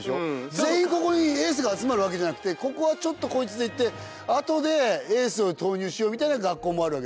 全員ここにエースが集まるわけじゃなくてここはちょっとこいつで行って後でエースを投入しようみたいな学校もあるわけだもんね。